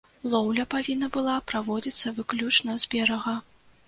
Лоўля павінна была праводзіцца выключна з берага.